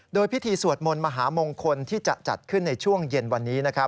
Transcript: โดยพิธีสวดมนต์มหามงคลที่จะจัดขึ้นในช่วงเย็นวันนี้